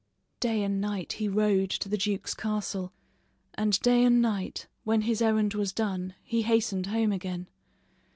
Day and night he rode to the duke's castle, and day and night, when his errand was done, he hastened home again.